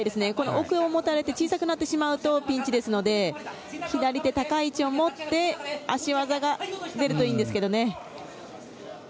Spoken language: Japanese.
奥を持たれて小さくなるとピンチですので左手、高い位置を持って足技が出るといいんですが。